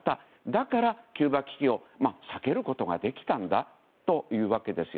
だからキューバ危機を避けることができたということです。